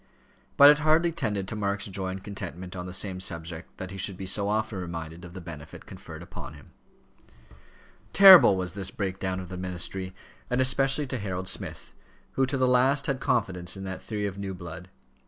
But it hardly tended to Mark's joy and contentment on the same subject that he should be so often reminded of the benefit conferred upon him. Terrible was this break down of the ministry, and especially to Harold Smith, who to the last had had confidence in that theory of new blood.